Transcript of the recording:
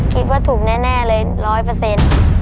คิดว่าถูกแน่เลยร้อยเปอร์เซ็นต์